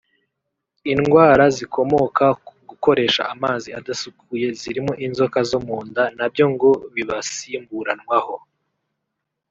Indwara zikomoka ku gukoresha amazi adasukuye zirimo inzoka zo mu nda na byo ngo bibasimburanwaho